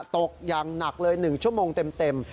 ตกอย่างหนักเลย๑ชั่วโมงเต็ม